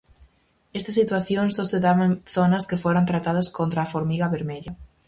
Esta situación só se daba en zonas que foran tratadas contra a formiga vermella.